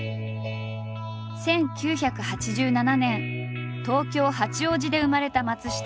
１９８７年東京八王子で生まれた松下。